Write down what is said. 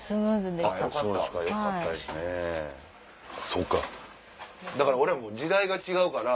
そうかだから俺もう時代が違うから。